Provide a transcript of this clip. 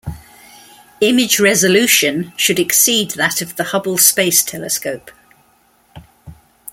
Image resolution should exceed that of the Hubble Space Telescope.